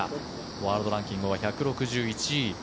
ワールドランキングは１６１位。